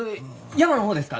山の方ですか？